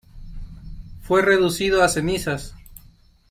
Fue reducido a cenizas.